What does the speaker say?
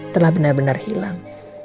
telah benar benar hilang